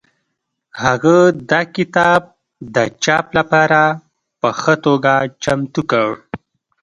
هغه دا کتاب د چاپ لپاره په ښه توګه چمتو کړ.